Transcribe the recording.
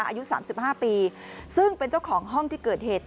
อายุ๓๕ปีซึ่งเป็นเจ้าของห้องที่เกิดเหตุ